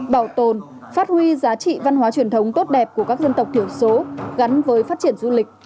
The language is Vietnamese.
bảo tồn phát huy giá trị văn hóa truyền thống tốt đẹp của các dân tộc thiểu số gắn với phát triển du lịch